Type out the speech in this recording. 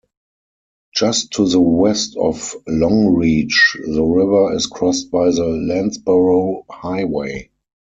Just to the west of Longreach the river is crossed by the Landsborough Highway.